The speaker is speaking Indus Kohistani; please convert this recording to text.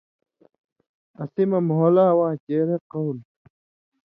اَسی مَہ مھولا واں چیرہ قول تھہ